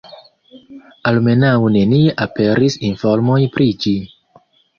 Almenaŭ nenie aperis informoj pri ĝi.